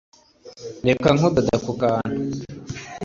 reka nkudoda ku kantu. "